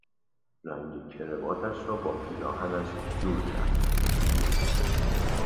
رنگ کراواتش را با پیراهنش جور کرد.